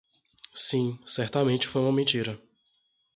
Sim; Certamente foi uma mentira.